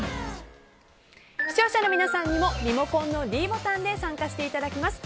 視聴者の皆さんにもリモコンのｄボタンで参加していただきます。